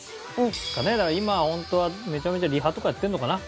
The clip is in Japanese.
だから今ホントはめちゃめちゃリハとかやってるのかな。